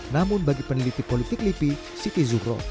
namun bagi peneliti politik lipi siki zuhro